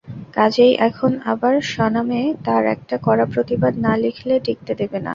কাজেই এখন আবার স্বনামে তার একটা কড়া প্রতিবাদ না লিখলে টিঁকতে দেবে না।